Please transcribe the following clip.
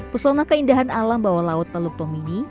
pesona keindahan alam bawah laut teluk tomini